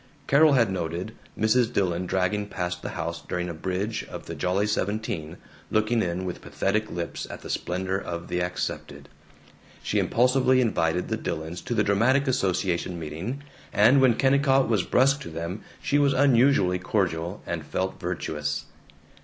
Carol had noted Mrs. Dillon dragging past the house during a bridge of the Jolly Seventeen, looking in with pathetic lips at the splendor of the accepted. She impulsively invited the Dillons to the dramatic association meeting, and when Kennicott was brusque to them she was unusually cordial, and felt virtuous.